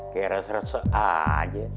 kayak reset reset aja